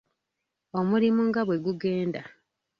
Omulimu nga bwe gugenda.